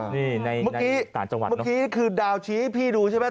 นี่ในศาลจังหวัดเนอะเมื่อกี้คือดาวชี้ให้พี่ดูใช่ไหม